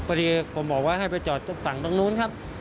พอดีผมบอกว่าให้ไปจอดตรงฝั่งตรงนู้นครับ